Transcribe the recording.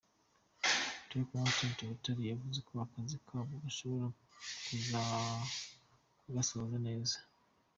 Lt Col Butare yavuze ko akazi kabo bashoboye kugasoza neza.